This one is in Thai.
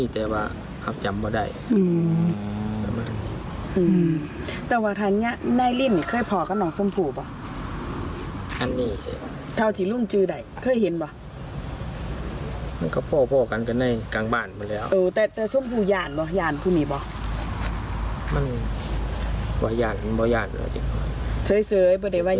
แต่ไม่เคยเห็นเรามาไม่เคยเห็นมาตั้งแต่ยูนี่มาเคยเห็นมาบ่ะ